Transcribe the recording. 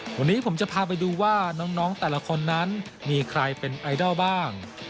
วันนี้ผมจะพาไปดูว่าน้องแต่ละคนนั้นมีใครเป็นไอดอลบ้าง